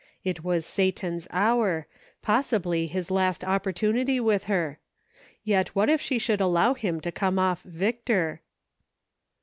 It was Satan's hour, possibly his last opportunity with her ; yet what if she should allow him to come off victor